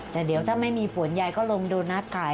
แต่เดี๋ยวถ้าไม่มีผลยายก็ลงโดนัทขาย